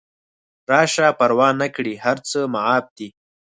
راشه پروا نکړي هر څه معاف دي